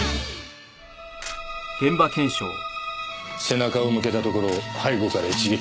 背中を向けたところを背後から一撃か。